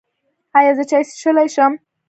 ایا زه چای څښلی شم؟